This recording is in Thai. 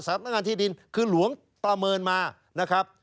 สำนักงานที่ดินคือหลวงประเมินมานะครับ